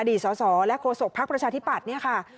อดีตสอสอและโคศกภักดิ์ประชาธิบัติค่ะ